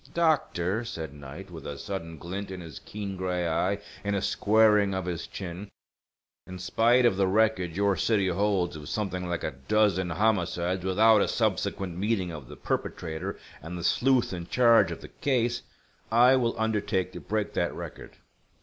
"Doctor," said Knight, with a sudden glint in his keen gray eye and a squaring of his chin, "in spite of the record your city holds of something like a dozen homicides without a subsequent meeting of the perpetrator, and the sleuth in charge of the case, I will undertake to break that record.